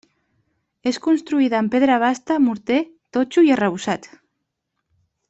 És construïda amb pedra basta, morter, totxo i arrebossat.